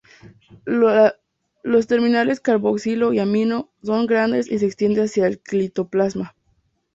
Los terminales carboxilo y amino, son grandes y se extienden hacia el citoplasma.